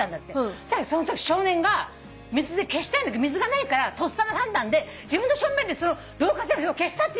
そしたらそのとき少年が水で消したいんだけどないからとっさの判断で自分のしょんべんで導火線の火を消したっていうのよ。